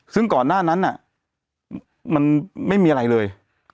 ซึ่งก่อนหน้านั้นมันไม่มีอะไรเลย